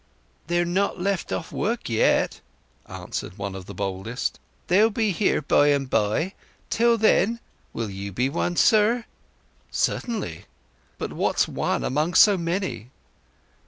"They've not left off work yet," answered one of the boldest. "They'll be here by and by. Till then, will you be one, sir?" "Certainly. But what's one among so many!"